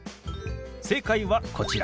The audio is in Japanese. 正解はこちら。